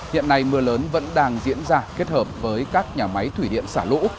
hiện nay mưa lớn vẫn đang diễn ra kết hợp với các nhà máy thủy điện xả lũ